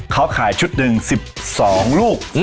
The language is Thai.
เขาขายชุดหนึ่ง๑๒ลูก